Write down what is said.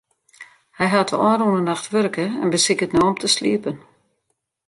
Hy hat de ôfrûne nacht wurke en besiket no om te sliepen.